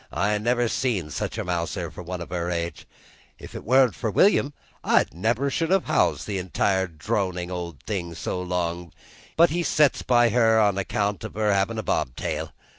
I never see such a mouser for one of her age. If't wan't for William, I never should have housed that other dronin' old thing so long; but he sets by her on account of her havin' a bob tail.